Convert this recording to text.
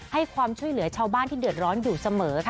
ให้ความช่วยเหลือชาวบ้านที่เดือดร้อนอยู่เสมอค่ะ